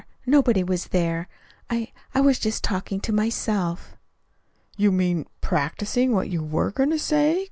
Nobody was there. I I was just talking to myself." "You mean practicing what you were going to say?"